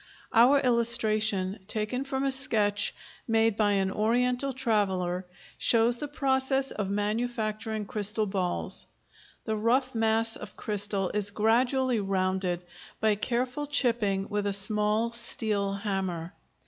Our illustration, taken from a sketch made by an Oriental traveller, shows the process of manufacturing crystal balls. The rough mass of crystal is gradually rounded by careful chipping with a small steel hammer.